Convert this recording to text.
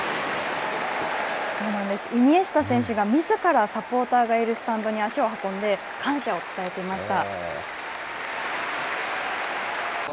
イニエスタ選手がみずからサポーターがいるスタンドに足を運んで感謝を伝えていました。